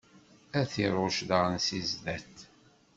Ad t-iṛucc daɣen si zdat.